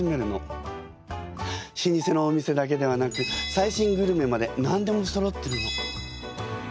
老舗のお店だけではなく最新グルメまで何でもそろってるの。